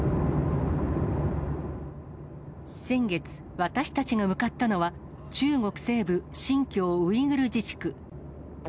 先月、私たちが向かったのは、中国西部、新疆ウイグル自治区。